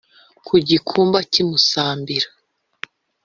ku gikumba cy’i musambira